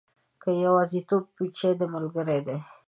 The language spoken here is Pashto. که یوازیتوب وي، چای دې ملګری دی.